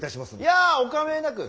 いやお構ぇなく。